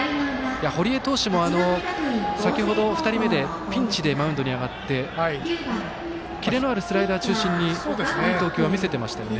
堀江投手も先ほど２人目でピンチでマウンドに上がってキレのあるスライダー中心にいい投球は見せてましたよね。